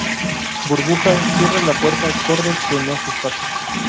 burbuja, cierra la puerta. corre. que no se escape.